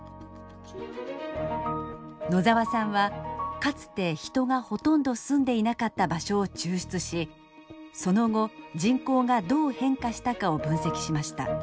野澤さんはかつて人がほとんど住んでいなかった場所を抽出しその後人口がどう変化したかを分析しました。